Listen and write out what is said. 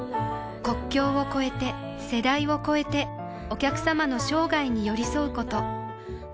国境を超えて世代を超えてお客様の生涯に寄り添うこと